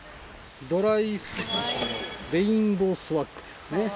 ドライススキレインボースワッグですね。